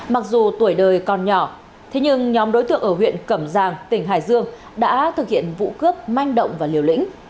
mặc dù tuổi đời còn nhỏ thế nhưng nhóm đối tượng ở huyện cẩm giang tỉnh hải dương đã thực hiện vụ cướp manh động và liều lĩnh